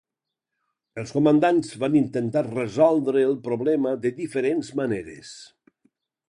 Els comandants van intentar resoldre el problema de diferents maneres.